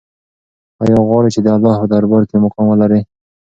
آیا غواړې چې د الله په دربار کې مقام ولرې؟